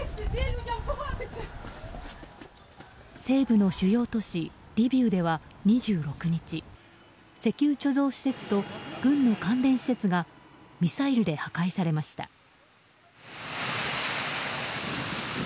西部の主要都市リビウでは２６日石油貯蔵施設と軍の関連施設がミサイルで破壊されました。